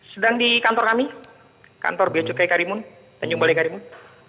sedang di kantor kami kantor beacukai karimun tanjung balai karimun